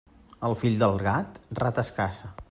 El fill del gat, rates caça.